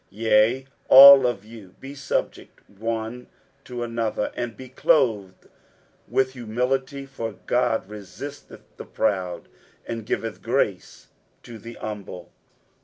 Yea, all of you be subject one to another, and be clothed with humility: for God resisteth the proud, and giveth grace to the humble.